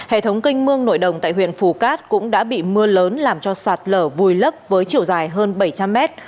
hệ thống canh mương nội đồng tại huyện phù cát cũng đã bị mưa lớn làm cho sạt lở vùi lấp với chiều dài hơn bảy trăm linh mét